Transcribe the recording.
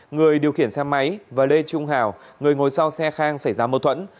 người điều khiển xe máy và lê trung hào người ngồi sau xe khang xảy ra mâu thuẫn